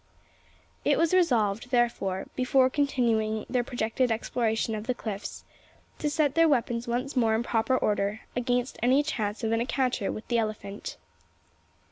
It was resolved, therefore, before continuing their projected exploration of the cliffs, to set their weapons once more in proper order against any chance of an encounter with the elephant.